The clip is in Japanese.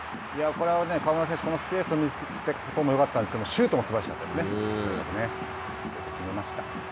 これは川村選手、このスペースを見つけて、ここもよかったんですけどシュートもすばらしかったですね。